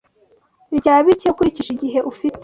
rya bike ukurikije igihe ufite